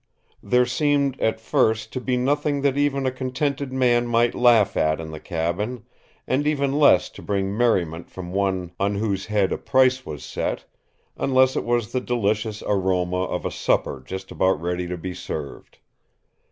There seemed, at first, to be nothing that even a contented man might laugh at in the cabin, and even less to bring merriment from one on whose head a price was set unless it was the delicious aroma of a supper just about ready to be served.